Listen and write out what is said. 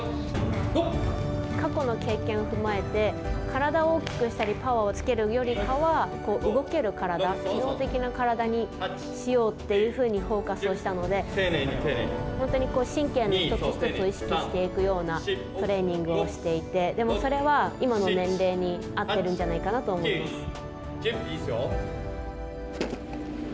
過去の経験を踏まえて体を大きくしたりパワーを着けるよりかは動ける体機能的な体にしようっていうふうにフォーカスをしたので本当に神経の一つ一つを意識していくようなトレーニングをしていてでも、それは今の年齢に合ってるんじゃないかなと思います。